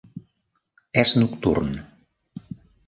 És nocturn.